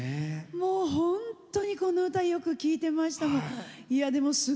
もう本当にこの歌よく聴いてましたもん。